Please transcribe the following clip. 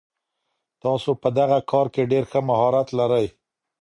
تاسو په دغه کار کي ډېر ښه مهارت لرئ.